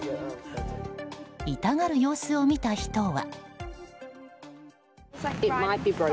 痛がる様子を見た人は。